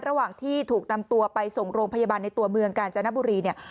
ระหว่างที่ถูกนำตัวไปส่งโรงพยาบาลในตัวเมืองกาญจนบุรีเนี่ย